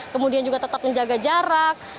kemudian juga tetap menjaga jarak